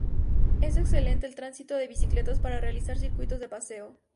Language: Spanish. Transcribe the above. Es excelente el tránsito de bicicletas para realizar circuitos de paseo.